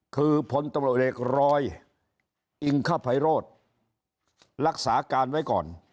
คือพตเรอิงคภัยโรธรักษาการไว้ก่อน